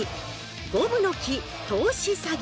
「ゴムの木投資詐欺」。